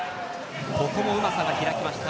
ここも、うまさが光りました。